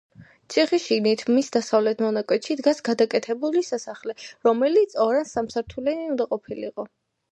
ციხის შიგნით, მის დასავლეთ მონაკვეთში, დგას გადაკეთებული სასახლე, რომელიც ორ ან სამსართულიანი უნდა ყოფილიყო.